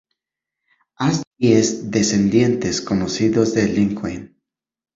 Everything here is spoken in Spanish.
Hay diez descendientes conocidos de Lincoln.